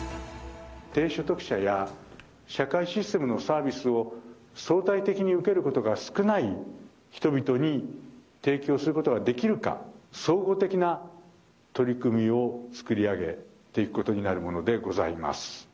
低所得者や社会システムのサービスを相対的に受けることが少ない人々に提供することができるか、総合的な取り組みを作り上げていくことになるものでございます。